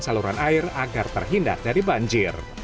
saluran air agar terhindar dari banjir